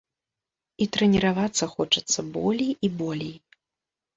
І трэніравацца хочацца болей і болей.